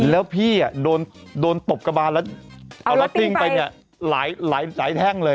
แล้วพี่โดนตบกระบานแล้วเอารัตติ้งไปเนี่ยหลายแท่งเลย